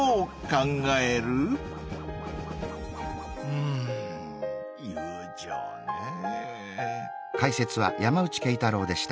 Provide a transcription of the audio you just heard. うん友情ねぇ。